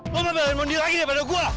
lu mau nyerang mondi lagi daripada gue